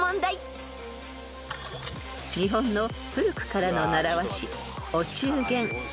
［日本の古くからの習わしお中元］